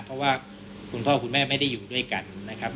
เพราะว่าคุณพ่อคุณแม่ไม่ได้อยู่ด้วยกันนะครับ